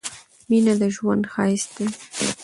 مينه د ژوند ښايست دي